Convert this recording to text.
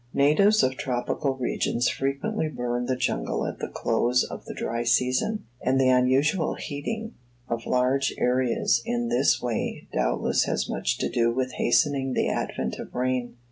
Natives of tropical regions frequently burn the jungle at the close of the dry season; and the unusual heating of large areas in this way doubtless has much to do with hastening the advent of rain.